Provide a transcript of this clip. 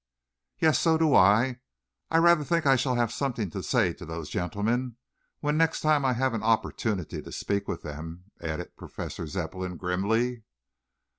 "Yes, so do I. I rather think I shall have something to say to those gentlemen when next I have an opportunity to speak with them," added Professor Zepplin grimly.